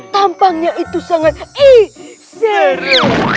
tampaknya itu sangat iseri